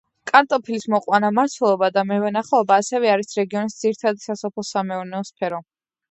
კარტოფილის მოყვანა, მარცვლეულობა და მევენახეობა, ასევე არის რეგიონის ძირითადი სასოფლო-სამეურნეო სფერო.